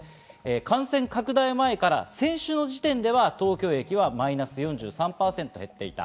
感染拡大前から先週の時点では東京駅はマイナス４３％減っていました。